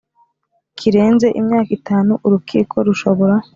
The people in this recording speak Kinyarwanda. Kirenze imyaka itanu urukiko rushobora